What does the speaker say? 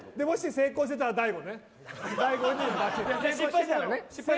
成功してたら大悟。